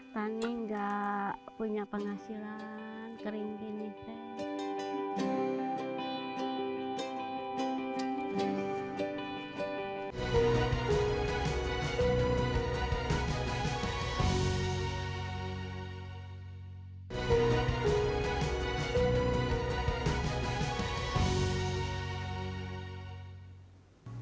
tani enggak punya penghasilan kering gini tani